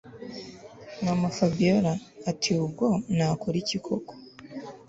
Mamafabiora atiubwo nakora iki koko